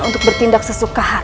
untuk bertindak sesuka hati